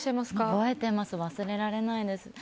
覚えてます、忘れられないです。